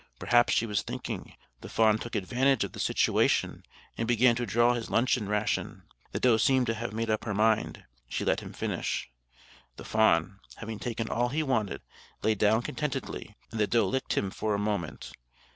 Perhaps she was thinking. The fawn took advantage of the situation, and began to draw his luncheon ration. The doe seemed to have made up her mind. She let him finish. The fawn, having taken all he wanted, lay down contentedly, and the doe licked him for a moment.